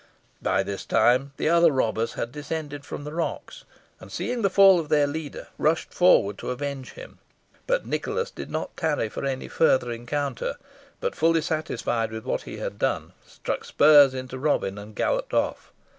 By this time the other robbers had descended from the rocks, and, seeing the fall of their leader, rushed forward to avenge him, but Nicholas did not tarry for any further encounter; but, fully satisfied with what he had done, struck spurs into Robin, and galloped off.